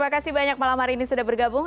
kami selama hari ini sudah bergabung